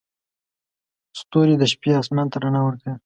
ستوري د شپې اسمان ته رڼا ورکوي.